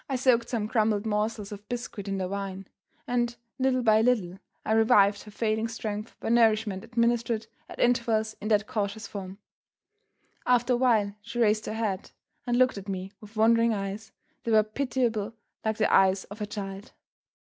I soaked some crumbled morsels of biscuit in the wine, and, little by little, I revived her failing strength by nourishment administered at intervals in that cautious form. After a while she raised her head, and looked at me with wondering eyes that were pitiably like the eyes of her child.